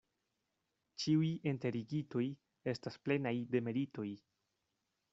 Ĉiuj enterigitoj estas plenaj de meritoj.